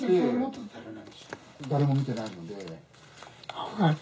誰も見てないので。